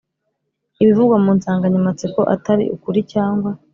ibivugwa mu nsanganyamatsiko atari ukuri cyangwa